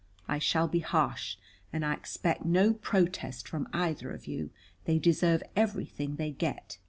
I shall be harsh, and I expect no protest from either of you. They deserve everything they get."